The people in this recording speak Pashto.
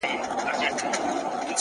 ستا د پښو ترپ ته هركلى كومه،